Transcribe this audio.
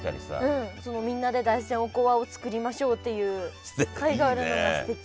うんみんなで大山おこわを作りましょうっていう会があるのがすてき。